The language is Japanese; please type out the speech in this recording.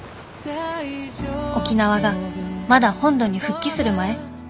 沖縄がまだ本土に復帰する前。